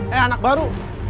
eh anak baru